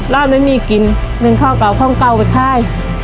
ร้านไม่มีกินหนึ่งข้าวเก่าข้าวเก่าไปค่าย